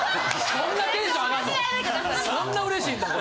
そんなうれしいんか？